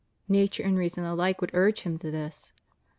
Nature and reason ahke would urge him to this.